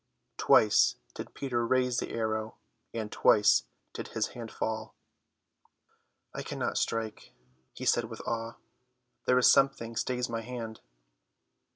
Twice did Peter raise the arrow, and twice did his hand fall. "I cannot strike," he said with awe, "there is something stays my hand."